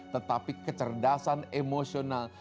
tetapi kecerdasan emosional